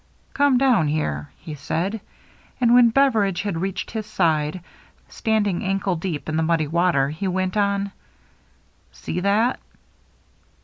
" Come down here," he said. And when Bev eridge had reached his side, standing ankle deep in the muddy water, he went on, " See that?"